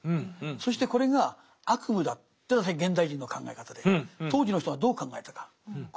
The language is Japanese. そしてこれが悪夢だというのは現代人の考え方で当時の人はどう考えたかこれは実はですね